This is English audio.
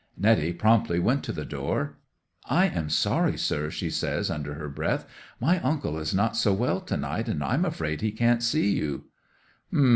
Netty promptly went to the door. '"I am sorry, sir," she says, under her breath; "my uncle is not so well to night, and I'm afraid he can't see you."